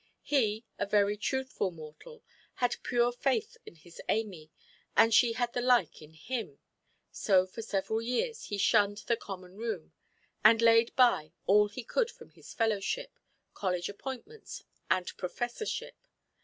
He, a very truthful mortal, had pure faith in his Amy, and she had the like in him. So for several years he shunned the common–room, and laid by all he could from his fellowship, college–appointments, and professorship.